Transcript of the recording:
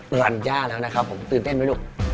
ปรัญญาแล้วนะครับตื่นเต้นหรือุ๊ก